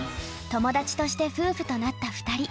友達として夫婦となった２人。